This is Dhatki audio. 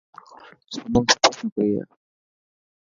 سمن سٺي ڇوڪري هي.